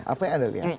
apa yang ada di atas